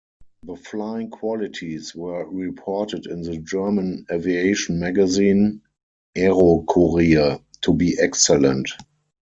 The flying qualities were reported in the German aviation magazine, "Aerokurier", to be excellent.